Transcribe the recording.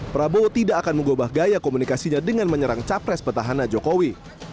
prabowo tidak akan mengubah gaya komunikasinya dengan menyerang capres petahana jokowi